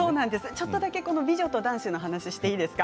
ちょっとだけ「美女と男子」の話をしていいですか。